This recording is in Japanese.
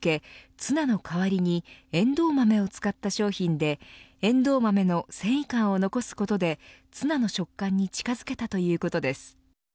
ツナの代わりにエンドウ豆を使った商品でエンドウ豆の繊維感を残すことでツナの食感に近づけたということです。